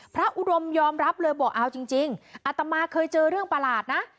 อุดมยอมรับเลยบอกเอาจริงอัตมาเคยเจอเรื่องประหลาดนะ